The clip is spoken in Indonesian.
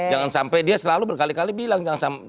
jangan sampai dia selalu berkali kali bilang